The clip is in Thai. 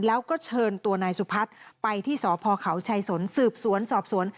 แล้วก็เชิญตัวนายสุพัฒน์ไปที่สพเขาชัยสนสืบสวนสอบสวน